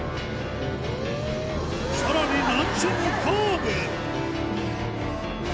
さらに難所のカーブ